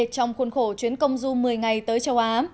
trong khuôn khổ chuyến công du một mươi ngày tới châu á